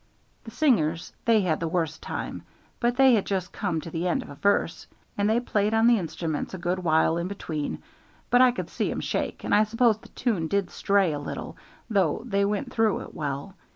The singers they had the worst time, but they had just come to the end of a verse, and they played on the instruments a good while in between, but I could see 'em shake, and I s'pose the tune did stray a little, though they went through it well.